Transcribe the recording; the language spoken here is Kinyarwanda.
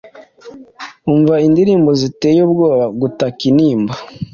Umva indirimbo ziteye ubwoba gutakanintimba